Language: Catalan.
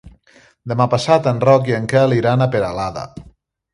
Demà passat en Roc i en Quel iran a Peralada.